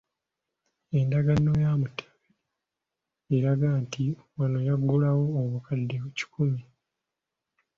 Endagaano ya Mutebi eraga nti wano yagulawo obukadde kikumi.